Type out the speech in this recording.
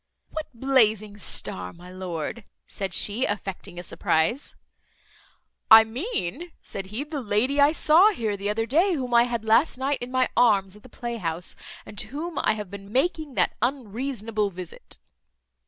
"What blazing star, my lord?" said she, affecting a surprize. "I mean," said he, "the lady I saw here the other day, whom I had last night in my arms at the playhouse, and to whom I have been making that unreasonable visit."